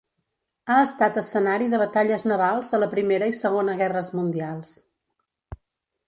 Ha estat escenari de batalles navals a la Primera i Segona guerres mundials.